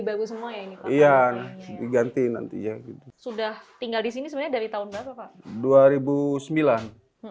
bagus semua ya iya diganti nanti ya sudah tinggal di sini sebenarnya dari tahun dua ribu sembilan